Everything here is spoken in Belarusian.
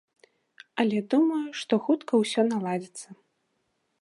Але думаю, што хутка ўсё наладзіцца.